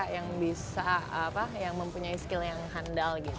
yang bisa mempunyai skill yang handal